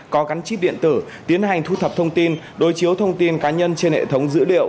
có gắn chip điện tử tiến hành thu thập thông tin đối chiếu thông tin cá nhân trên hệ thống dữ liệu